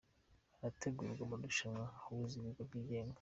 Harategurwa amarushanwa ahuza ibigo byigenga